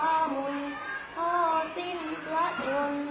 เราโชคดีไม่เคยเป็นคนใด